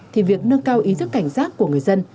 thì việc nâng cao ý thức cảnh giác của người dân